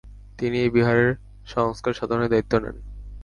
তিনি এই বিহারের সংস্কার সাধনের দায়িত্ব নেন।